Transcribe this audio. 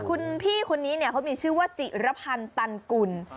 คุณพี่คนนี้เนี่ยเขามีชื่อว่าจิรพันธ์ตันกุล